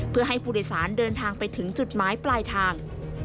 เพื่อให้ผู้โดยสารเดินทางไปถึงจุดหมายปลายทาง